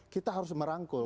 kita harus merangkul